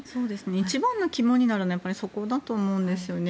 一番の肝になるのはやっぱりそこだと思うんです。